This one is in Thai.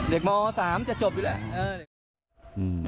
เด็กม๓จะจบอยู่แล้ว